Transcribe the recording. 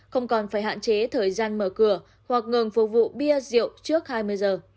không còn phải hạn chế thời gian mở cửa hoặc ngừng phục vụ bia rượu trước hai mươi giờ